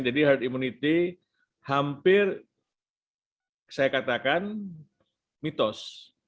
jadi herd immunity hampir saya katakan mitos